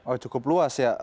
oh cukup luas ya